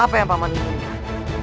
apa yang pak man inginkan